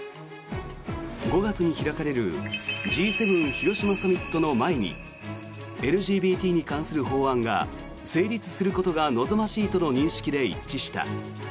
５月に開かれるＧ７広島サミットの前にＬＧＢＴに関する法案が成立することが望ましいとの認識で一致した。